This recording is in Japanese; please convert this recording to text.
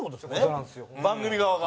番組側が。